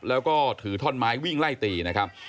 แล้วก็ถือท่อนไม้วิ่งไล่ตีนะครับ